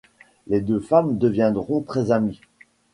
Les deux femmes deviendront très amies.